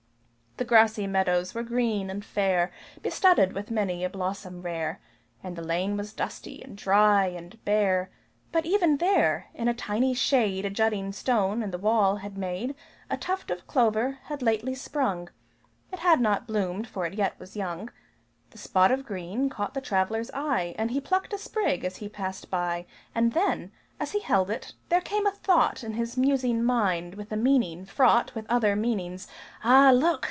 The grassy meadows were green and fair Bestudded with many a blossom rare, And the lane was dusty, and dry, and bare; But even there, in a tiny shade A jutting stone in the wall had made, A tuft of clover had lately sprung It had not bloomed for it yet was young The spot of green caught the traveler's eye, And he plucked a sprig, as he passed by; And then, as he held it, there came a thought In his musing mind, with a meaning fraught With other meanings. "Ah, look!"